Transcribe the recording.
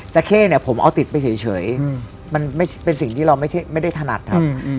แจ๊คเก้ผมเอาติดไปเฉยเป็นสิ่งที่เราไม่ได้ถนัดครับ